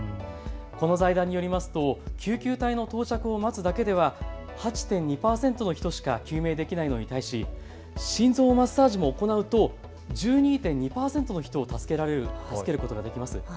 この財団によりますと救急隊の到着を待つだけでは８．２％の人しか救命できないのに対し、心臓マッサージも行うと１２．２％の人を助けることができます。